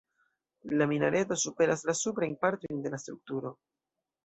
La minareto superas la suprajn partojn de la strukturo.